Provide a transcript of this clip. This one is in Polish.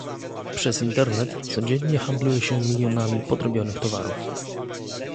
Przez Internet codziennie handluje się milionami podrobionych towarów